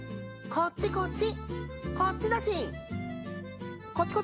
こっちこっち！